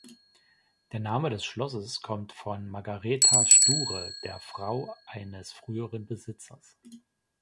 Der Name des Schlosses kommt von Margareta Sture, der Frau eines früheren Besitzers.